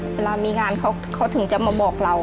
เวลามีงานเขาถึงจะมาบอกเรา